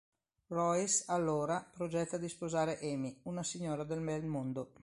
Royce, allora, progetta di sposare Amy, una signora del bel mondo.